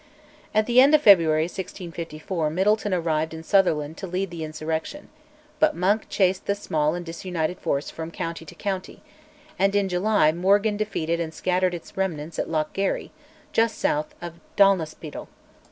At the end of February 1654 Middleton arrived in Sutherland to head the insurrection: but Monk chased the small and disunited force from county to county, and in July Morgan defeated and scattered its remnants at Loch Garry, just south of Dalnaspidal.